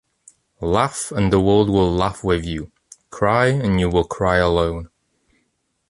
Laugh and the world will laugh with you. Cry and you will cry alone.